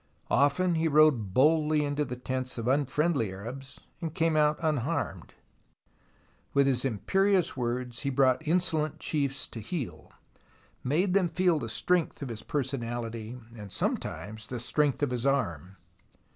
Often he rode boldly into the tents of unfriendly Arabs, and came out unharmed. With his imperious words he brought insolent chiefs to heel, made them feel the strength of his personahty, and sometimes the strength of his arm.